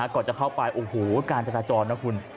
ก่อนจะเข้าไปโอ้โหการจราจรนะคุณ